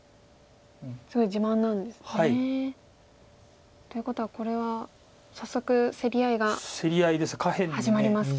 すごい自慢なんですね。ということはこれは早速競り合いが始まりますか。